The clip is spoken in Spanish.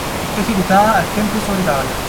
Está ejecutada al temple sobre tabla.